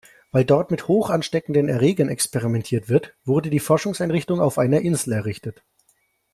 Weil dort mit hochansteckenden Erregern experimentiert wird, wurde die Forschungseinrichtung auf einer Insel errichtet.